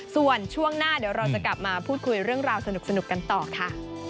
ส่วนช่วงหน้าเดี๋ยวเราจะกลับมาพูดคุยเรื่องราวสนุกกันต่อค่ะ